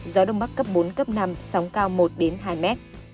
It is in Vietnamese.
gió đông bắc cấp bốn năm sóng cao một hai m